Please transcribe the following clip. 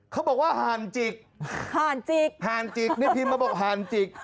เขาบอกว่าห่านจิกห่านจิกห่านจิกเนี่ยพิมพ์มาบอกห่านจิก